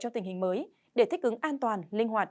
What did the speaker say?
trong tình hình mới để thích ứng an toàn linh hoạt